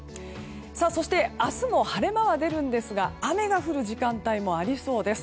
そして、明日も晴れ間は出るんですが雨が降る時間帯もありそうです。